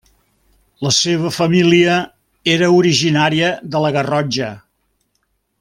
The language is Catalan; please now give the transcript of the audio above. La seva família era originària de la Garrotxa.